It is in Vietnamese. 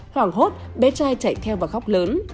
hoảng hốt bé trai chạy theo và khóc lớn